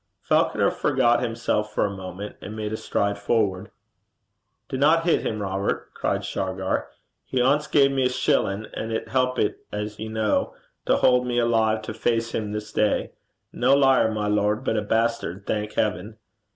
Falconer forgot himself for a moment, and made a stride forward. 'Dinna hit him, Robert,' cried Shargar. 'He ance gae me a shillin', an' it helpit, as ye ken, to haud me alive to face him this day. No liar, my lord, but a bastard, thank heaven.'